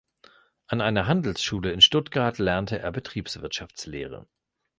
An einer Handelsschule in Stuttgart lernte er Betriebswirtschaftslehre.